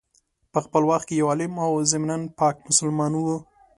په خپل وخت کي یو عالم او ضمناً پاک مسلمان وو.